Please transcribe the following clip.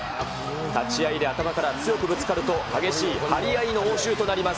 立ち合いで頭から強くぶつかると激しい張り合いの応酬となります。